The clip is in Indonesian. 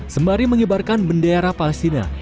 semari mengibarkan bendera palestina